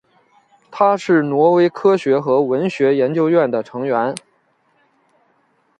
他是挪威科学和文学研究院的成员。